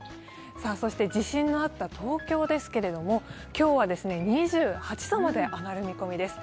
地震のあった東京ですけれども、今日は２８度まで上がる見込みです。